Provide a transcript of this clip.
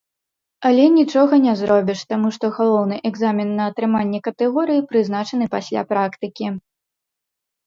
Але нічога не зробіш, таму што галоўны экзамен на атрыманне катэгорыі прызначаны пасля практыкі.